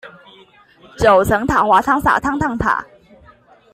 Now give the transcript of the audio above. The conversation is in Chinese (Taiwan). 九層塔滑湯灑湯燙塔